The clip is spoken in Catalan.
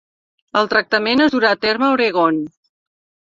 El tractament es durà a terme a Oregon.